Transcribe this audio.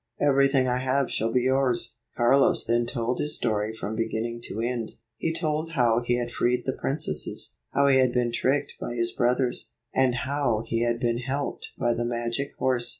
Everything I have shall be yours." Carlos then told his story from beginning to end. He told how he had freed the princesses, how he had been tricked by his brothers, and how he had been helped by the magic horse.